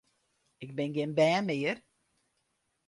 Ik bin gjin bern mear!